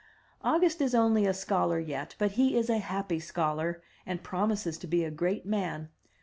August is only a scholar yet, but he is a happy scholar, and promises to be a great man.